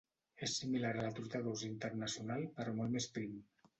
És similar a la truita d'ous internacional però molt més prim.